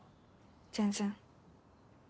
全然。